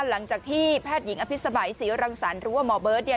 หลังจากที่แพทย์หญิงอภิษมัยศรีรังสรรค์หรือว่าหมอเบิร์ตเนี่ย